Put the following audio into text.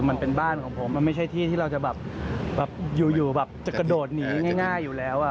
มันไม่ใช่ที่ที่เราจะอยู่อยู่ก็จะกระโดดหนีง่ายง่ายอยู่แล้ว